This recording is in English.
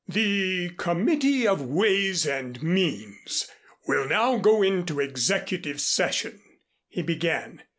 "The Committee of Ways and Means will now go into executive session," he began.